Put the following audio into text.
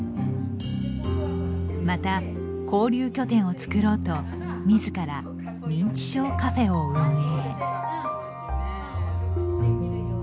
また、交流拠点を作ろうとみずから認知症カフェを運営。